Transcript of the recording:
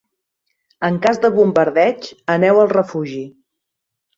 En cas de bombardeig aneu al refugi.